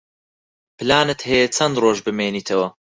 پلانت هەیە چەند ڕۆژ بمێنیتەوە؟